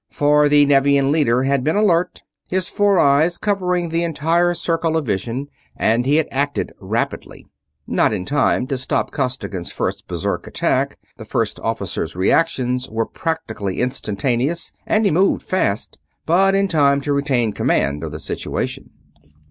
For the Nevian leader had been alert, his four eyes covering the entire circle of vision, and he had acted rapidly. Not in time to stop Costigan's first berserk attack the First Officer's reactions were practically instantaneous and he moved fast but in time to retain command of the situation.